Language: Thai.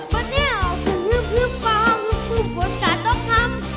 บดแห้วคืนฮื้มฮื้มฟังสู้ฝนกันตกครับ